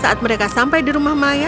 saat mereka sampai di rumah maya